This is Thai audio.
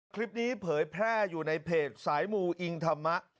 คลิปนี้เผยแพร่อยู่ในเพจสายมูอิงธรรมะ